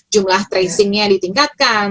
jumlah tracingnya ditingkatkan